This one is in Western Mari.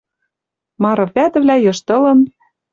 Мары-вӓтӹвлӓ йыштылын